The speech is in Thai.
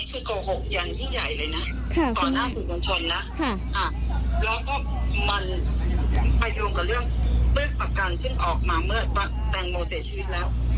ซึ่งออกมาเมื่อแต่งโมเศษชีพแล้ว